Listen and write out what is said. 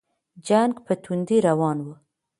جنګ په توندۍ روان وو.